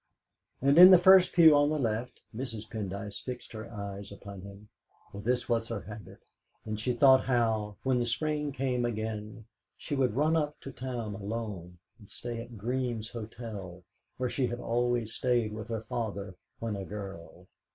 And in the first pew on the left Mrs. Pendyce fixed her eyes upon him, for this was her habit, and she thought how, when the spring came again, she would run up to town, alone, and stay at Green's Hotel, where she had always stayed with her father when a girl.